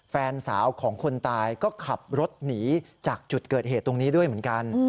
แฟนสาวของคนตายก็ขับรถหนีจากจุดเกิดเหตุตรงนี้ด้วยเหมือนกัน